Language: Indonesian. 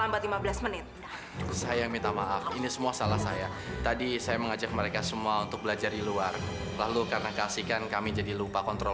baik selamat melalui surat